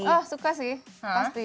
oh suka sih pasti